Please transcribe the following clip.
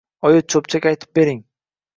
Oyi, cho‘pchak aytib bering.